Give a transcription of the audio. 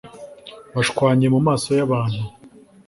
bashwanye mu maso y’abantu